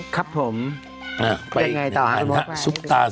ครับผมอ่าไปยังไงต่อสุดท้ายนะซุปตาลัย